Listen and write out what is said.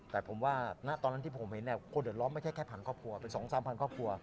แต่ตอนที่ผมเห็นก็เป็นอันที๓๐๐๐ครอบครัว